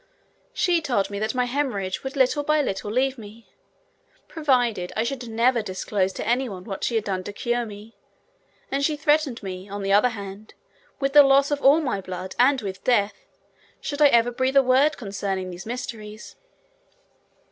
She told me that my haemorrhage would little by little leave me, provided I should never disclose to any one what she had done to cure me, and she threatened me, on the other hand, with the loss of all my blood and with death, should I ever breathe a word concerning those mysteries.